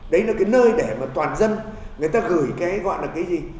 đấy là cái nơi để mà toàn dân người ta gửi cái gọi là cái gì